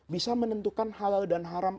bisa menentukan halal dan haram